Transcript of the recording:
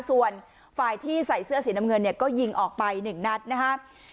ส่วนฝ่ายที่ใส่เสื้อสีน้ำเงินเนี่ยก็ยิงออกไป๑นัดนะครับ